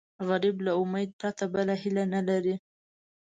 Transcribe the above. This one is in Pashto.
غریب له امید پرته بله هیله نه لري